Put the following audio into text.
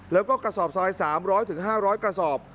แล้วก็กระสอบสายสามร้อยถึงห้าร้อยกระสอบ